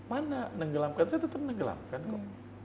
mana menenggelamkan saya tetap menenggelamkan kok